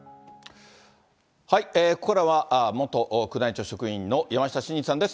ここからは、元宮内庁職員の山下晋司さんです。